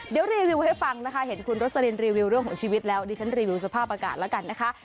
เดี๋ยวรีวิวให้ฟังนะคะเห็นคุณโรสลินรีวิวเรื่องของชีวิตแล้วดิฉันรีวิวสภาพอากาศแล้วกันนะคะ